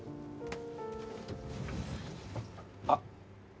あっ。